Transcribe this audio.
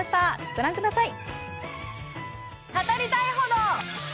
ご覧ください！